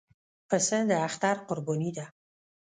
پسه د اختر قرباني ده.